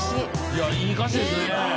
いやいい歌詞ですね。